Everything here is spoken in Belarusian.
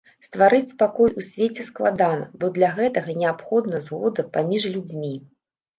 Стварыць спакой у свеце складана, бо для гэтага неабходна згода паміж людзьмі.